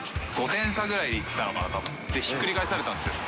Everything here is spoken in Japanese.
５点差ぐらいいったのかな、ひっくり返されたんですよ。